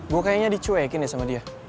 gue kayaknya di cewekin ya sama dia